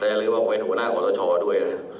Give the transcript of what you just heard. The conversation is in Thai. แต่อย่าลืมว่าเป็นหัวหน้าขอสชด้วยนะ